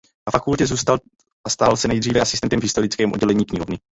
Na fakultě zůstal a stal se nejdříve asistentem v historickém oddělení knihovny.